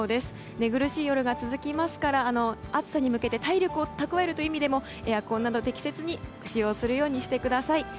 寝苦しい夜が続きますから暑さに向けて体力を蓄えるという意味ではエアコンなど適切に使用するようにしてください。